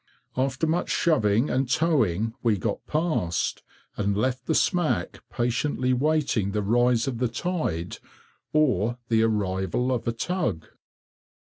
After much shoving and towing we got past, and left the smack patiently waiting the rise of the tide, or the arrival of a tug.